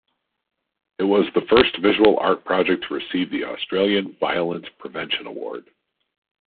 It was the first visual art project to receive the Australian Violence Prevention Award.